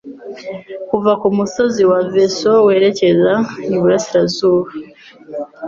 kuva ku musozi wa Veso werekeza iburasirazuba